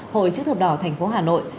hội chữ thập đỏ thành phố hà nội